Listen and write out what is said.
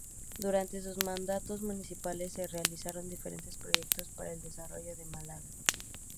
Durante sus mandatos municipales se realizaron diferentes proyectos para el desarrollo de Málaga.